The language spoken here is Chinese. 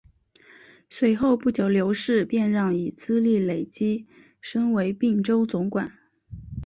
随后不久刘世让便以资历累积升为并州总管。